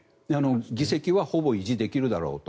議席はほぼ維持できるだろうと。